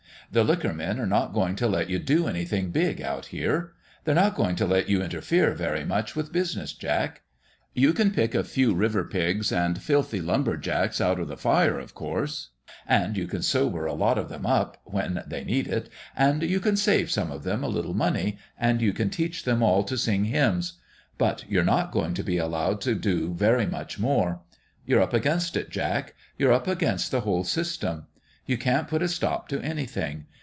The liquor men are not going to let you do anything big out here. They're not going to let you interfere very much with business, Jack. You can pick a few river pigs and filthy lumber jacks out of the fire, of course ; and you can sober a lot of them up, when they need it, and you can save some of them a little money, and you can teach them 138 PALE PETER'S DONALD all to sing hymns. But you're not going to be allowed to do very much more. You're up against it, Jack. You're up against the whole system. You can't put a stop to anything.